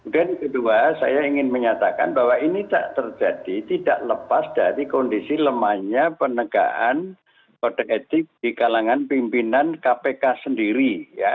kedua saya ingin menyatakan bahwa ini tak terjadi tidak lepas dari kondisi lemahnya penegaan kode etik di kalangan pimpinan kpk sendiri